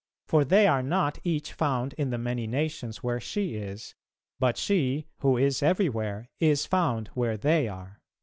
For they are not each found in the many nations where she is; but she, who is everywhere, is found where they are."